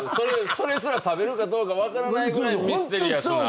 それすら食べるかどうか分からないぐらいミステリアスな。